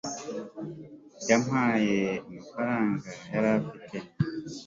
yampaye amafaranga yari afite